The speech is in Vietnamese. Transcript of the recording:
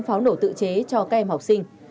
pháo nổ tự chế cho các em học sinh